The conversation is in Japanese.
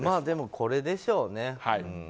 でも、これでしょうね。